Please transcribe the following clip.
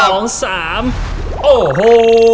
โอ้โห